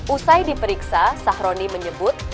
usai diperiksa sahroni menyebut